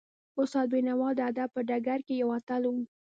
استاد بینوا د ادب په ډګر کې یو اتل و.